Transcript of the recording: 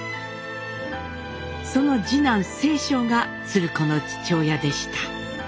その次男正鐘が鶴子の父親でした。